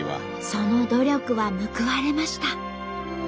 その努力は報われました。